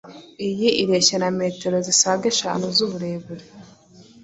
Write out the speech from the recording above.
Iyi ireshya na metero zisaga eshanu z’uburebure